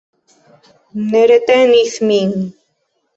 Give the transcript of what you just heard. Ne retenis min.